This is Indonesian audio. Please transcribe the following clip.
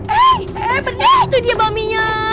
eh eh bener itu dia maminya